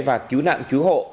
và cứu nạn cứu hộ